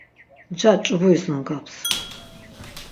Nca ç̌uburis nungaps.